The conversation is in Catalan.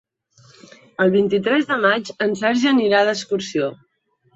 El vint-i-tres de maig en Sergi anirà d'excursió.